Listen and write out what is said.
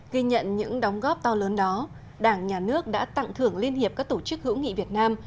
ghi nhận những đóng góp to lớn đó đảng nhà nước đã tặng thưởng liên hiệp các tổ chức hữu nghị việt nam